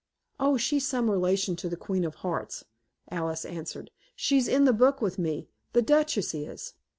"Oh, she's some relation to the Queen of Hearts," Alice answered. "She's in the book with me, the Duchess is.